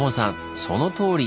そのとおり！